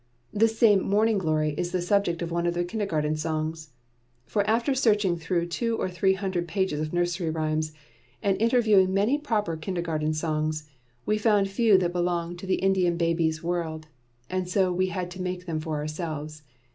This same Morning glory is the subject of one of the kindergarten songs. For after searching through two or three hundred pages of nursery rhymes, and interviewing many proper kindergarten songs, we found few that belonged to the Indian babies' world; and so we had to make them for ourselves.